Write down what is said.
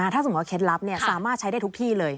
ถ้าสมมุติว่าเคล็ดลับสามารถใช้ได้ทุกที่เลย